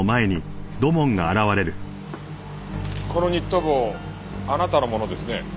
このニット帽あなたのものですね。